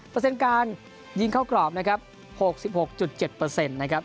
เปอร์เซ็นต์การยิงเข้ากรอบนะครับ๖๖๗นะครับ